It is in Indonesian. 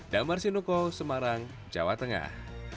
damar sinuko semarang jawa tengah